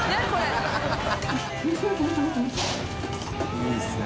いいですね。